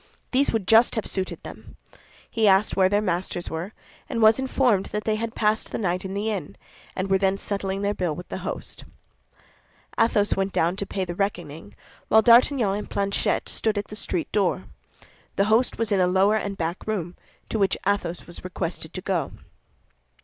These would just have suited them. He asked where their masters were, and was informed that they had passed the night in the inn, and were then settling their bill with the host. Athos went down to pay the reckoning, while D'Artagnan and Planchet stood at the street door. The host was in a lower and back room, to which Athos was requested to go.